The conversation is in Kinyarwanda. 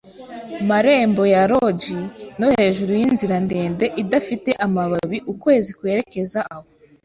marembo ya lodge no hejuru yinzira ndende, idafite amababi, ukwezi kwerekeza aho